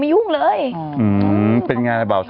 เดี๋ยวสิ้นเดือนจะไปหัวหิน